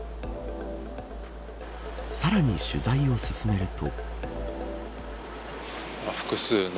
さらに取材を進めると。